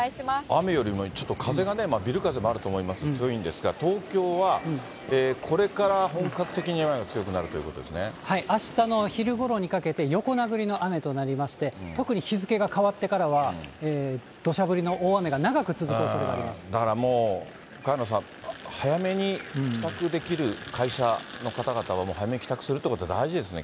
雨よりもちょっと風がね、ビル風もあると思います、強いんですが、東京はこれから本格的に雨が強くなるということであしたの昼ごろにかけて、横殴りの雨となりまして、特に日付が変わってからはどしゃ降りの大雨が長く続くおそれがあだからもう、萱野さん、早めに帰宅できる会社の方々は、もう早めに帰宅するということが大事ですね。